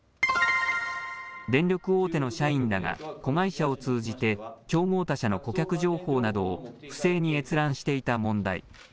電力大手の社員らが子会社を通じて競合他社の顧客情報などを不正に閲覧していた問題。